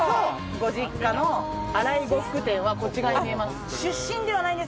ご実家の荒井呉服店はこっち側に見えます。